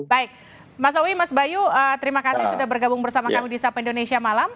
baik mas owi mas bayu terima kasih sudah bergabung bersama kami di sapa indonesia malam